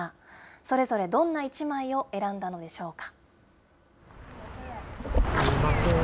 それぞれどんな１枚を選んだのでしょうか。